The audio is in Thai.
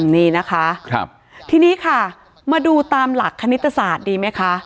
นี่นะคะทีนี้ค่ะมาดูตามหลักคณิตศาสตร์ดีไหมคะ